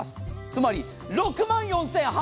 つまり６万４８００円。